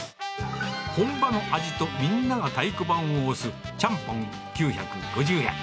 本場の味とみんなが太鼓判を押すちゃんぽん９５０円。